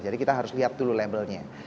jadi kita harus lihat dulu label nya